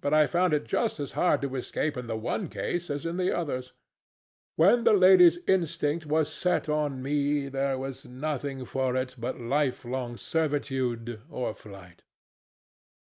But I found it just as hard to escape in the one case as in the others. When the lady's instinct was set on me, there was nothing for it but lifelong servitude or flight.